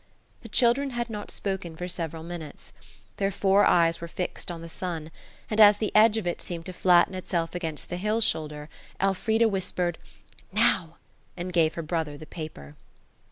The children had not spoken for several minutes. Their four eyes were fixed on the sun, and as the edge of it seemed to flatten itself against the hill shoulder Elfrida whispered, "Now!" and gave her brother the paper.